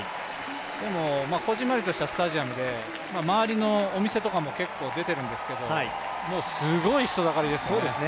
でも、こぢんまりとしたスタジアムで周りのお店とかも結構出てるんですけどもう、すごい人だかりでしたね。